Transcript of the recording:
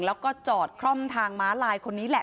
แล้วก็จอดคล่อมทางม้าลายคนนี้แหละ